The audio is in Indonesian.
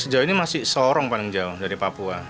sejauh ini masih sorong paling jauh dari papua